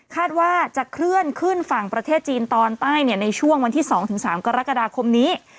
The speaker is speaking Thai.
คาดว่าจะเคลื่อนขึ้นฝั่งประเทศจีนตอนใต้ในช่วงวันที่๒๓กรกฎาคมนี้